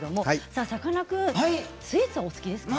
さかなクンスイーツはお好きですか？